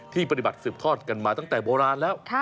ปฏิบัติสืบทอดกันมาตั้งแต่โบราณแล้ว